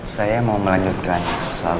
saya mau melanjutkan soal